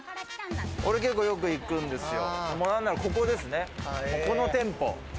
俺、結構よく行くんですよ。